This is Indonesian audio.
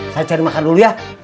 saya cari makan dulu ya